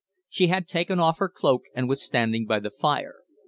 She had taken off her cloak and was standing by the fire.